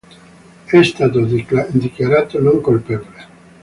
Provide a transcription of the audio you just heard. È stato dichiarato non colpevole.